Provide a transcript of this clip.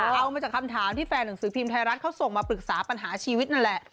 เอามาจากคำถามที่แฟนหนังสือพิมพ์ไทยรัฐเขาส่งมาปรึกษาปัญหาชีวิตนั่นแหละ